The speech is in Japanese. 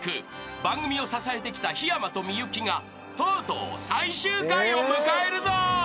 ［番組を支えてきた「ひやまとみゆき」がとうとう最終回を迎えるぞ］